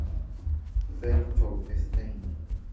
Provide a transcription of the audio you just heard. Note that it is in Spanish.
Berthold Stein